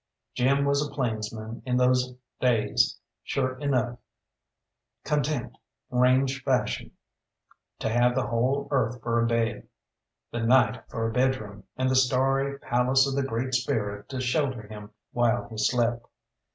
Jim was a plainsman in those days sure enough, content, range fashion, to have the whole earth for a bed, the night for a bedroom, and the starry palace of the Great Spirit to shelter him while he slept.